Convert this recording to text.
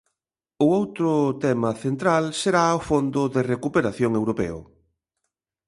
O outro tema central será o fondo de recuperación europeo.